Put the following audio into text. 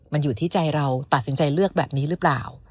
มันอยู่ที่ใจเราตัดสินใจเลือกแบบนี้หรือเปล่า